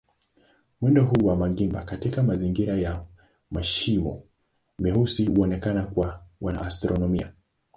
Mwendo huu wa magimba katika mazingira ya mashimo meusi unaonekana kwa wanaastronomia.